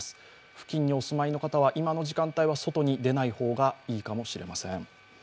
付近にお住まいの方は今の時間帯は外に出ない方がいいかもしれません。